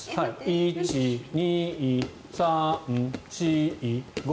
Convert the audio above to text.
１、２、３、４、５。